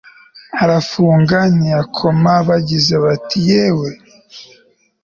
arafunga ntiyakoma bagize bati yewe